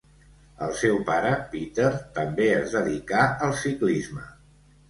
El seu pare Peter també es dedicà al ciclisme.